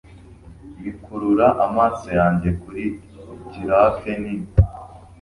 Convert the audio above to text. bikurura amaso yanjye kuri giraffe nini